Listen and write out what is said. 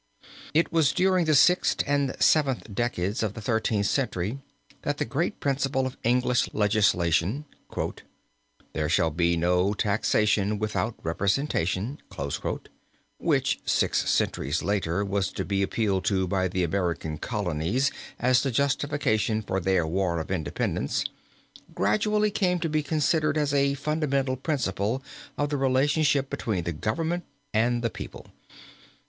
It was during the sixth and seventh decades of the Thirteenth Century that the great principle of English Legislation: "There shall be no taxation without representation" which six centuries later was to be appealed to by the American Colonies as the justification for their war for independence, gradually came to be considered as a fundamental principle of the relationship between the government and the people.